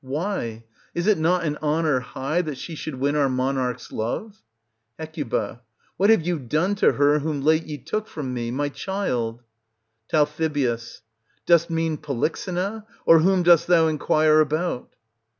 Why ! is it not an honour high that she should win our monarch's love ? Hec What have ye done to her whom late ye took from me, — my child? Tal. Dost mean Polyxena, or whom dost thou inquire about